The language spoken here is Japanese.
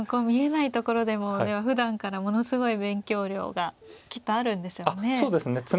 見えないところでもではふだんからものすごい勉強量がきっとあるんでしょうね。